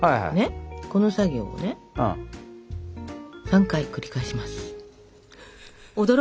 この作業をね３回繰り返します。